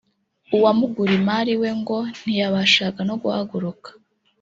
uwa Mugurimari we ngo ntiyabashaga no guhaguruka